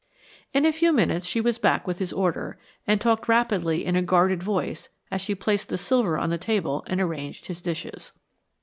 In a few minutes she was back with his order and talked rapidly in a guarded voice as she placed the silver on the table and arranged his dishes.